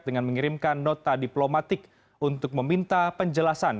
dengan mengirimkan nota diplomatik untuk meminta penjelasan